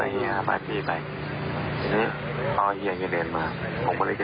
ก็ให้แอบอาทิตย์ไปตอนที่อย่างนี้เดินมาผมก็เลยกันเล่นด้วยครับ